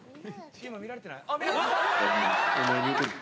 今、見られてない？